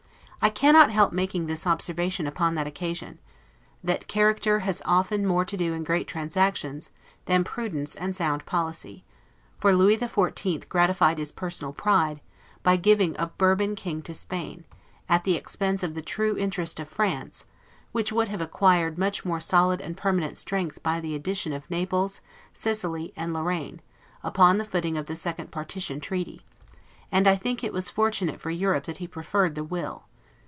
I cannot help making this observation upon that occasion: That character has often more to do in great transactions, than prudence and sound policy; for Lewis the Fourteenth gratified his personal pride, by giving a Bourbon King to Spain, at the expense of the true interest of France; which would have acquired much more solid and permanent strength by the addition of Naples, Sicily, and Lorraine, upon the footing of the second partition treaty; and I think it was fortunate for Europe that he preferred the will.